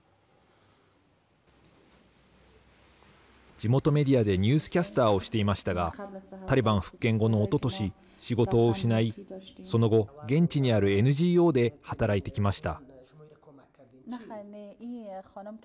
地元メディアでニュースキャスターをしていましたがタリバン復権後のおととし仕事を失い、その後現地にあるＮＧＯで働いてきました。